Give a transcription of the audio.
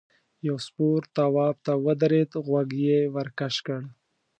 یو سپور تواب ته ودرېد غوږ یې ورکش کړ.